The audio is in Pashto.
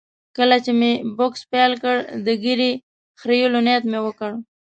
کله چې مې بوکس پیل کړ، د ږیرې خریلو نیت مې وکړ.